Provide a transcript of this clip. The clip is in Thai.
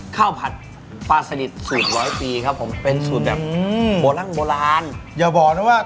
ผัดปลาสนิทสูตรร้อยปีครับผมเป็นสูตรแบบโบราณโบราณอย่าบอกนะว่า